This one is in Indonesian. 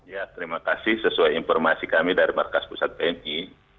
ya terima kasih sesuai informasi kami dari markas pusat tni